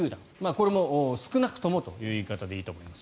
これも少なくともという言い方でいいと思います。